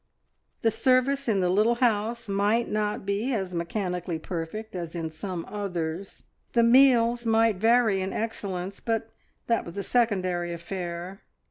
The service in the little house might not be as mechanically perfect as in some others, the meals might vary in excellence, but that was a secondary affair.